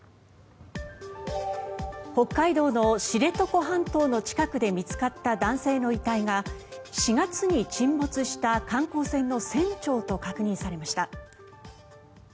北海道の知床半島の近くで見つかった男性の遺体が４月に沈没した観光船の船長と確認されました。